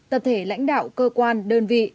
tập thể lãnh đạo cơ quan đơn vị